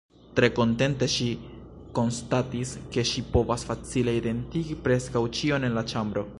Tre kontente ŝi konstatis ke ŝi povas facile identigi preskaŭ ĉion en la ĉambro.